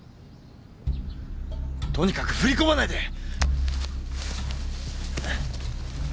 とにかく振り込まないで！